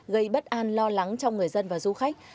gây bất an lo lắng cho người dân và du khách